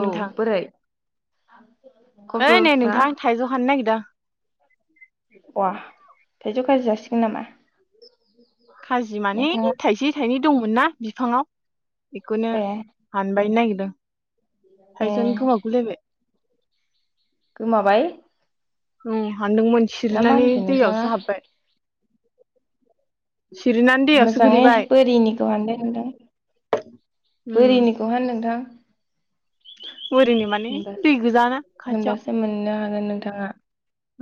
औ बोरै [inaudible] ओइ नै खबरफ्रा? नोंथां थाइजौ हाननो नागिरदों अ थाइजौ खाजि जासिगोन नामा? खाजि माने नोंथाङा थाइसे थाइनै दंमोन ना बिफाङाव बेखौनो ए हानबायनो नागिर दो ए थाइजौआनो गोमागु लायबाय गोमाबाय उ हान्दोंमोन ना मा सिरिनानै होनखो नोंथाङा दैआवसो हाबबाय सिरिनानै दैयावसो मोजाङै गोलैबाय बोरिनिखौ हाननाय नुदों बोरिनिखौ हान नोंथां ओरैनि माने होनबा दै गोजाना खाथियाव गोन नोंथाङा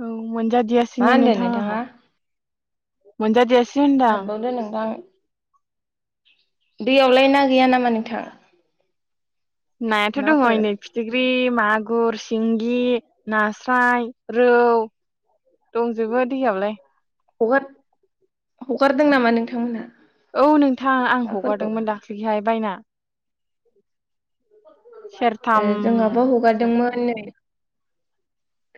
औ मा मोनजादियासिनो होनदों नोंथां आहा नोंथाङा? मोन्जा दिया हानबावदो नोंथां दैयावलाय ना गैया नामा नोंथां नायाथ' दङ नाफोर इनै फिथिख्रि मागुर सिंगि नास्राय रौ दंजोबो दैयावलाय हगार-हगारदों नामा नोंथांमोनहा औ नोंथां आं नाफोरखौ? हगारदोंमोन दाख्लैहाय बायना [inaudible] ए जोंहाबो सेरथामसो हगारदोंमोन नै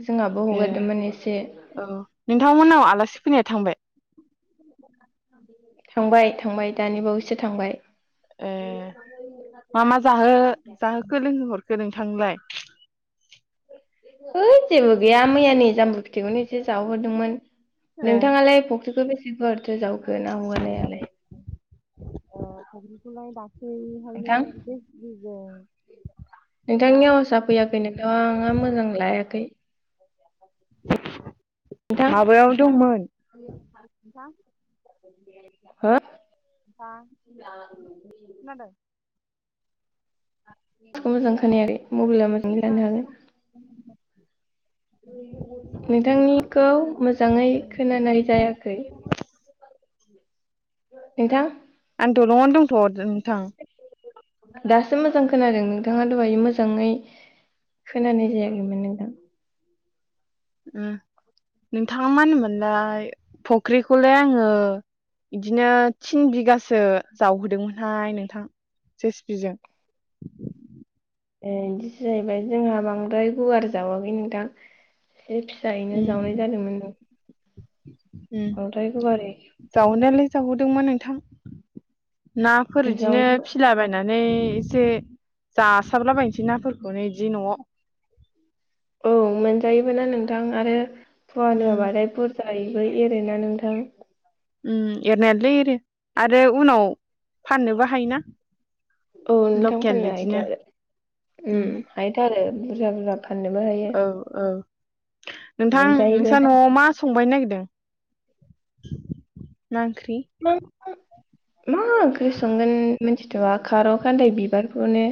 जोंहाबो ए हगारदोंमोन एसे औ नोंथांमोननाव आलासि फैनाया थांबाय थांबाय थांबाय दानि बावैसो थांबाय ए मा मा जाहो जाहोखो लोंहोहरखो नों थांलाय ओद जेबो गैया मैयानि जाम्बु फिथिाइखौनो एसे जाहोहरदोंमोन ए नोंथाङालाय फ ख्रिखो बेसे गुवारथो जावखो ना हगारनायालाय ओ [unintelligible] दा खैहायनो नोंथां [inaudible] [unintelligible] नोंथांनि आवासा फैयाखै नोंथांआ मोजां लायाखै नोंथां [inaudible] माबायाव दंमोन नोथां हो [inaudible] खोनादों [inaudible] मोजां खोनायाखै मबेला [inaudible] लानो हागोन खोनादों नोंथांनिखौ आंनिखौ मोजां मोजाङै लादों खोनानाय नोंथां जायाखै नोंथां [unintelligible] दासो मोजां खोनादों नोंथाङा दहाय मोजाङै खोनानाय जायाखैमोन नोंथां। उम नोंथाङा मा होनोमोनलाय फख्रिखौलाय आङो बिदिनो थिन बिगासो जावहोदोंमोनहाय नोंथां जेसि पिजों। ए इदिसो जाहैबाय जोंहा बांद्राय गुवार जावाखै नोथां। एसे फिसायैनो उम जावनाय जादोंमोन नों उम बांद्राय गुवारै जावनायालाय जावहोदोंमोन नों थां नाफोर इदिनो जावनो फिसिलाबायना नै एसे जासाबलाबायनोसै नाफोरखौनो इदि न'आव। औ मोनजायोबो ना नोंथां आरो फुवान उम होबाथाय [unintelligible] जायैबाय एरो ना नोंथां। उम एरनायालै एरो आरो उनाव फाननोबो हायो ना। औ नोंथां फाननो हायोथ' आरो उम हायोथ' आरो बुरजा बुरजा फाननोबो हायो औ औ। नोंथां मोनजायोबो नोंसा ना न'आव मा संबायनो नागिदों? [inaudible] मा ओंख्रि? मा मा ओंख्रि संगोन मिनथिथ'आ खार' खान्दाय बिबारखौनो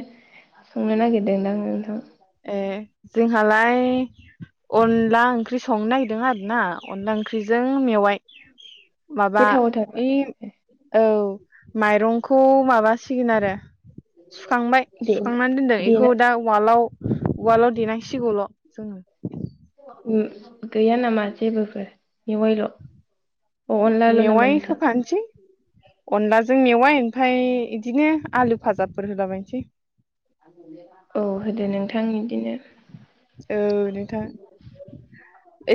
संनो नागिरदों दां नोंथां। ए जोंहालाय अनला ओंख्रि संनो नागिदों आरो ना। अनला ओंख्रिजों मेवाइ। माबा गोथावथार ओइ औ माइरंखौ माबासिगोन आरो सुखांबाय दे सुखांनानै दोनदों इखौ देना दा उवालाव उवालाव देनांसिगौल' जोङो। उम गैया नामा जेबोफोर मेवाइल'। अ अनलाल' नामा मेवाइ नोंथां? होफानोसै अनलाजों मेवाइ ओमफाय इदिनो आलु भाजाफोर होलाबायनोसै। औ होदो नोंथां इदिनो। औ नोंथां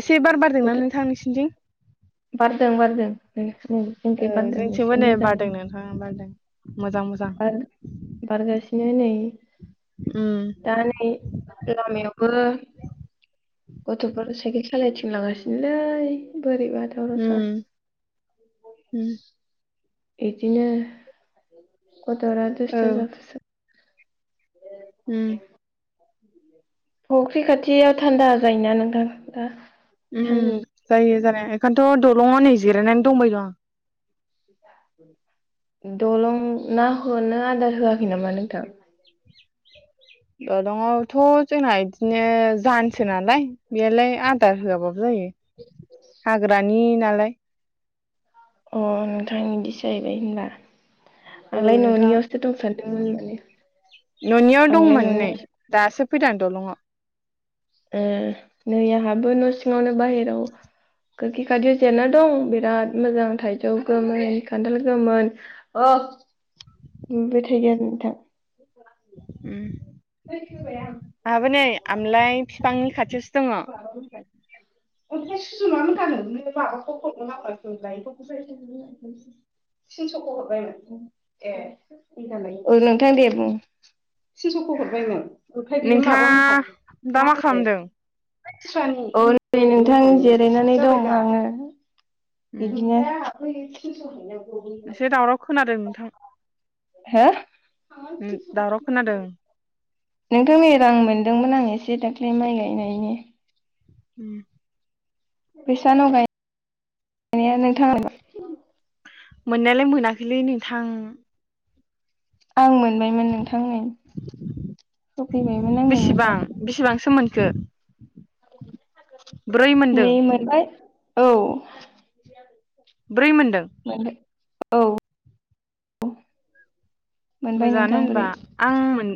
एसे बार बारदों ना बोथोर नोंथां नोंसिनिथिं? बारदों बारदों ओं। ओ जोंथिंबो नै बारदों नोंथां बारदों। मोजां मोजां बार बारगासिनो नै उम दा नै लामायावबो गथ'फोर साइकेल सालायथिंलागासिनोलै। बोरैबा बाथ बाथा। उम उम इदिनो गथरा औ दस्टु जाफुसो उ फख्रि खाथियाव थान्दा जायोना नोंथां दा उ सान्दुं जायो जानाया। बेखायथ' दलङाव नै जिरायनानै दंबाय दं। दलं ना होनो आदार होआखै नामा नोंथां। ओ दलंआवथ' जोंना बिदिनो जानसो नालाय बेलाय आदार होआबाबो जायो हाग्रानि नालाय बाय अ नोंथां बिदिसो जाहैबाय होनबा औ आंलाय नोंथां न'नियावसो दंसानदों दों होननानै न'नियाव दंमोन नै दासो फैदां द'लंङाव ए नै आंहाबो न' सिङावनो बाहेराव गोखैखथियाव जेनना दं बिराद मोजां थाइजौ गोमोन खान्थाल गोमोन अ नुबाय थयो आरो नोंथां। उ बेखेवबाय आं आमलाय बिफांनि खाथियावसो दङ। ओमफ्राय सुजुनानै होन होनानोनो माबाखौ हरनो थिनस'खौ हरबायमोन ए औ नोंथां देर थिनस'खौ हरबायमोन ओमफ्राय नोंथाङा बियो माबा दा मा मोनहानि खालामदों मा होनो [unintelligible] नोंथां जिरायनानै दं आङो। इदिनो थिनस हैनो एसे दावराव खोनादों नोंथां। हो दावराव खोनादों। नोंथां नै रां मोनदोंमोन आं एसे दाख्लै माइ गायनायनि। उम बैसानाव गायनाया नोंथांङा मोन मोननायालाय मोनाखैलै नै थां आं मोन मोनबायमोन नोंथांनै होफैबायमोन आंनो नोंथां। सोमोनखो मोनदों नै मोनबाय। औ। ब्रै मोनदों मोनबाय। औ औ। मोजाङानो होनबा आं मोन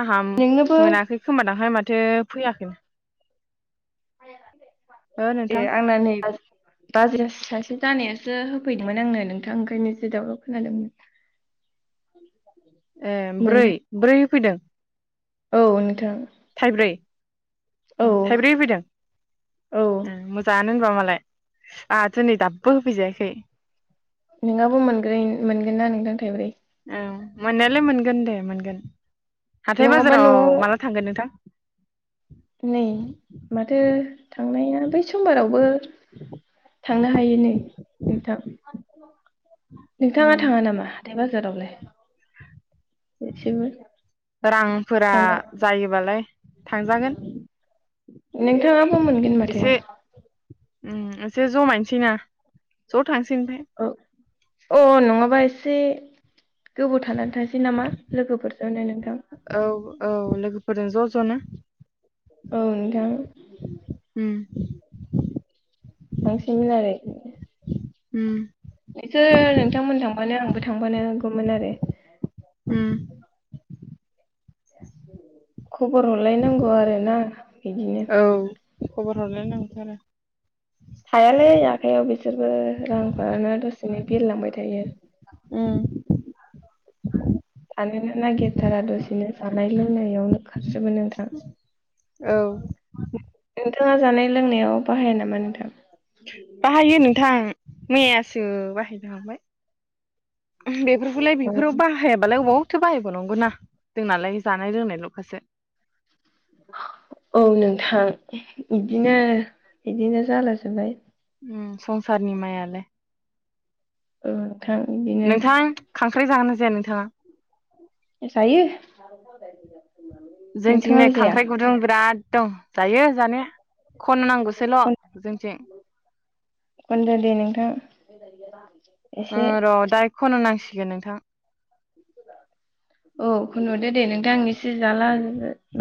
आहा नोंनोबो मोनाखै खोमादांहाय माथो फैयाखै। ओ [unintelligible] ए नोंथां आंना नै बाजारस सासे जानायासो होफैदोंमोन आंनो नोंथां ओंखायनोसो दावराव खोनादोंमोन। ए ब्रै मोनबाय ब्रै फैदों। औ नोंथां। थाइब्रै। औ थाइब्रै होफैदों औ ओम मोजाङा नोग' मालाय आहासो नै दाबो होफैजायाखै। नोंहाबो मोनग्रै मोनगोना नोंथां थाइब्रै। औ मोननायालाय मोनगोन दे मोनगोन। हाथाय नङाबा बाजाराव न'आव माला थांगोन नोंथां? नै माथो थांनाया बै समबारावबो थांनो हायो नै नोंथां। नोंथाङा उम थाङा नामा? हाथाय बाजाराव लाय। रांफोरा थांनो जायोबालाय थांजागोन। नोंथाङाबो मोनगोन माथो। एसे उम एसे जमायनसै ना। ज' थांसै ओमफाय। औ अ नङाबा एसे गोबाव थानानै थांसै नामा? लोगोफोरजोंनो नोंथां। औ औ लोगोफोरजों ज' ज'नो। औ नोंथां। उम। थांसैमोन आरो। उम। नोंसोर नोंथांमोन थां माने आंबो थांफानो हागौमोन आरो उम खबर हरलायनांगौ आरो ना बिदिनो औ खबर हरलाय नांगौ थ आरो थायालै आखाइयाव बिसोरबो रांफोरानो दसेनो बिरलांबाय थायो उम थानोनो नागिरथारा दसेनो जानाय लोंनायावनो खारजोबो नोंथां औ नोंथाङा जानाय लोंनायाव बाहाया नामा नोंथां बाहायो नोंथां मैयासो बाहायनो हांबाय बेफोरखौलाय बेफोराव बाहायाबालाय अबाव थो बाहायबाव नंगौना जोंनालाय जानाय लोंनायल'खासो औ नोंथां बिदिनो बिदिनो जाला जोबबाय उम संसारनि माइयालाय औ बिदिनो नोंथां खांख्राय जागोना जाया नोंथाङा जायो जोंथिं नै नोंथाङालाय जाया खांख्राइ गुदुं बिराद दं जायो जानाया खन नांगौसोल' खन जोंथिं या दा र' दा खन नांसिग गोन नोंथां औ खुनोदे दे नोंथां आं इ एसे जाला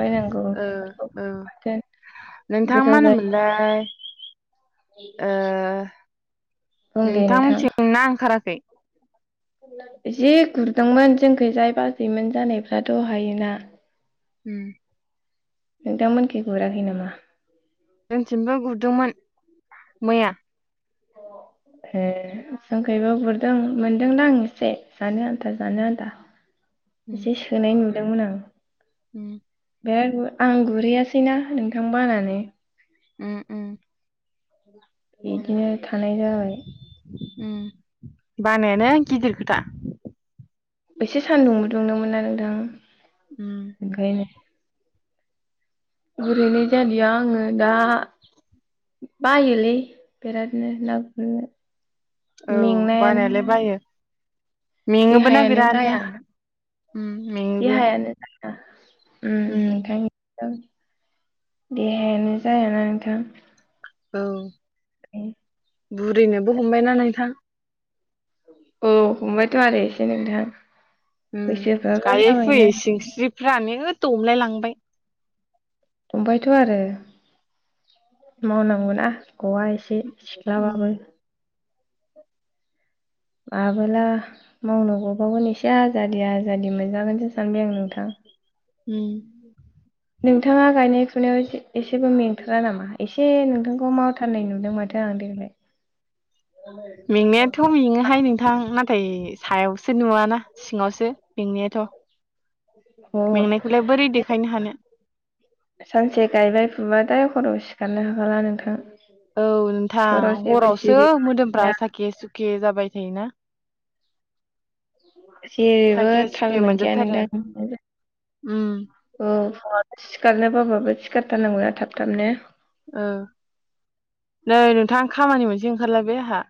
बायनांगौ ओ बेफोरखौ औ बाथोन नोंथां मा गोथाव जायो होनोमोनलाय ओ बुं दे नोंथां मोनथि ना ओंखाराखै जि गुरदोंमोन जोंख जाय बाजैमोन जानायफ्राथ' दहायो ना हम नोंथांमोनख गुराखै नामा जोंथिमबो गुरदोंमोन मैया ए जोंखैबा गुरदों मोनदोंनाा आं एसे जानो आन्था जानो आन्था उम एसे सोनाय दोंमोन आं उम बिराद आं गुरहैयासैना नोंथां बानानै उम उम बिदिनो थानाय जाबाय बानायानो गिदिर खोथा एसे सान्दुंबो दुंदोंमोन ना नोंथां? उम गायनाय गुरहैनाय जादिया आङो दा बायोलै बिरादनो ना गुरनो। औ मेंनायानो बानायालाय बायो। मेङोबोना देहायानो बिरादनो। जाया उम मेङोबो देहायानो। उम नोंथां। देहायानो जायाना नोंथां। औ। बुरिनोबो हमबायना नोंथां। औ हमबायथ' आरो एसे नोंथां। उम बैसोफ्राबो गायो जाबायना फुयै सिंनस्रिफानो दमलाय लांबाय। दंबायथ' आरो मावनांगौना गआ एसे। [inaudible] उम माबोला मावनो गबावगोन एसे आजादि आजादि मोनजागोनसो सानबाय आं नोंथां। उम। नोंथाङा गायनाय फुनायाव एसेबो मेंथारा नामा एसे नोंथांखौ मावथारनाय नुदों माथो आं देग्लाय। मेंनायाथ' मेङोहाय नोंथां नाथाय। सायावसो नुवाना सिङावसो मेंनायाथ'। मेंनायखौलाय बोरै देखायनो हानो सानसे गायबाय फुबाय दा सिखारनो हाला नोंथां। औ सराव नोंथां जेबो हरावसो सिरि मोदोमफ्रा साखे सुखे जाबाय थायोना। [inaudible] जेरैबो साखे थाल सुखे मोनखाया मोनजोबथारो नोंथां उम औ। सिखारनोबाबाबो सिखारथारनांगौना थाब थाबनो। औ नै नोंथां। खामानि मोनसे ओंखारलायबाय आंहा।